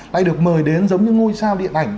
lại được mời đến giống như ngôi sao điện ảnh